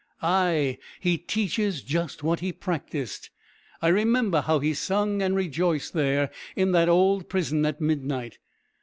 ay! he teaches just what he practised. I remember how he sung and rejoiced there in that old prison at midnight.